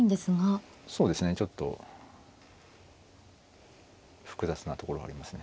そうですねちょっと複雑なところがありますね。